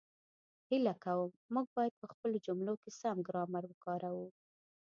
هیله کووم، موږ باید په خپلو جملو کې سم ګرامر وکاروو